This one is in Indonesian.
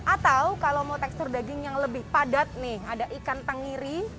atau kalau mau tekstur daging yang lebih padat nih ada ikan tengiri